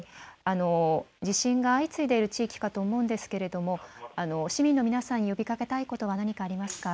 地震が相次いでいる地域かと思うんですけれども、市民の皆さんに呼びかけたいことは何かありますか。